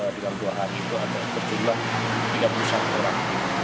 dalam dua hari itu ada berjumlah tiga puluh satu orang